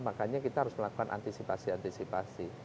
makanya kita harus melakukan antisipasi antisipasi